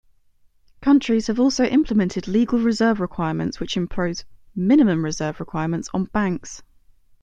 Countries have also implemented legal reserve requirements which impose minimum reserve requirements on banks.